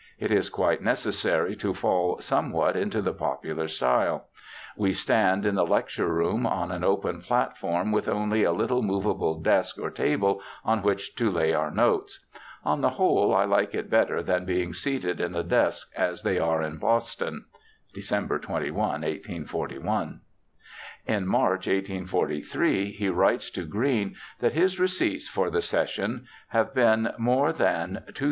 It is quite necessary to fall somewhat into the popular style. We stand, in the lecture room, on an open platform with only a little movable desk or table, on which to lay our notes. On the whole I hke it better than being seated in a desk, as they are in Boston.' (December 21, 1841.) In March, 1843, he writes to Green that his receipts for the session have been more than $2,000.